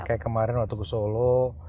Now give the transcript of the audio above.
kayak kemarin waktu ke solo